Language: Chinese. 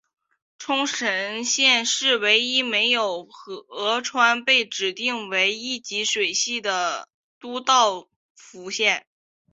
冲绳县是唯一没有河川被指定为一级水系的都道府县。